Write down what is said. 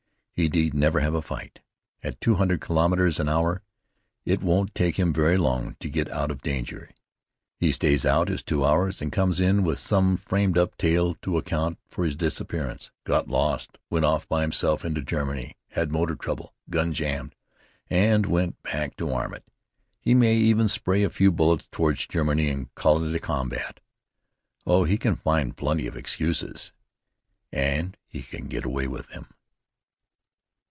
He need never have a fight. At two hundred kilometres an hour, it won't take him very long to get out of danger. He stays out his two hours and comes in with some framed up tale to account for his disappearance: 'Got lost. Went off by himself into Germany. Had motor trouble; gun jammed, and went back to arm it.' He may even spray a few bullets toward Germany and call it a combat. Oh, he can find plenty of excuses, and he can get away with them."